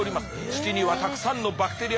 土にはたくさんのバクテリアがいる。